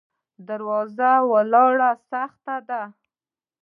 د درواز لاره سخته ده